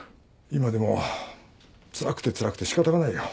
今でもつらくてつらくてしかたがないよ。